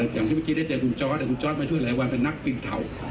อย่างที่เมื่อกี้ได้เจอคุณจอร์ดคุณจอร์ดมาช่วยหลายวันเป็นนักบินเถา